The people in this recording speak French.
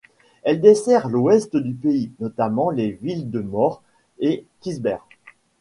Elle dessert l'Ouest du pays, notamment les villes de Mór et Kisbér.